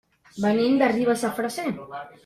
Venim de Ribes de Freser.